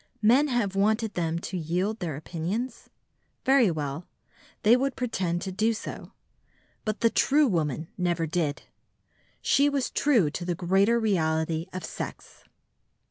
Men have wanted them to yield their opinions? Very well, they would pretend to do so. But the true woman never did. She was true to the greater reality of sex.